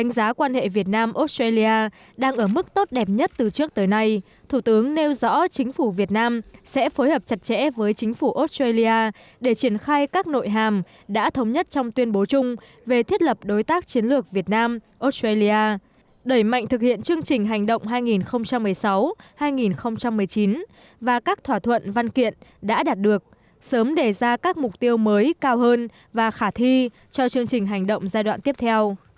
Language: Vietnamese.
trong khi các quan hệ việt nam australia đang ở mức tốt đẹp nhất từ trước tới nay thủ tướng nêu rõ chính phủ việt nam sẽ phối hợp chặt chẽ với chính phủ australia để triển khai các nội hàm đã thống nhất trong tuyên bố chung về thiết lập đối tác chiến lược việt nam australia đẩy mạnh thực hiện chương trình hành động hai nghìn một mươi sáu hai nghìn một mươi chín và các thỏa thuận văn kiện đã đạt được sớm đề ra các mục tiêu mới cao hơn và khả thi cho chương trình hành động giai đoạn tiếp theo